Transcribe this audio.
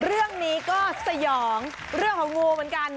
เรื่องนี้ก็สยองเรื่องของงูเหมือนกัน